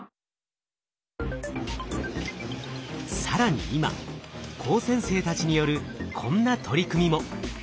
更に今高専生たちによるこんな取り組みも。